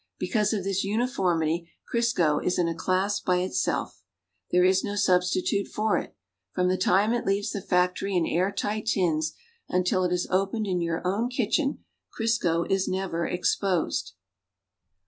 Because of this uniformity Crisco is in a class by itself. There is no substi tute for it. From the time it leaves the factory in air tight tins until it is opened in your own kitchen Crisco is never exposed.